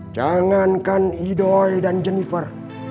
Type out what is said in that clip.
jangankan idoi dan jennifer